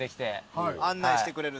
案内してくれると。